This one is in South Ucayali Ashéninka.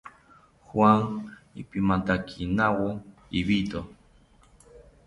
Juan ipimantakinawo ibito